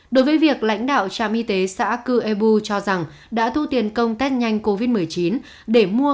đối với việc lãnh đạo trạm y tế xã cư ebu cho rằng đã thu tiền công test nhanh covid một mươi chín để mua